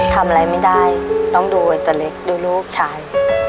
ทำอะไรไม่ได้ต้องดูไอ้ตาเล็กดูลูกชาย